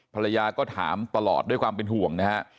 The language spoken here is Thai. ภรรยาก็ถามตลอดด้วยความเป็นห่วงนะฮะ